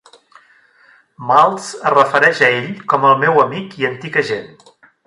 Maltz es refereix a ell com el meu amic i antic agent.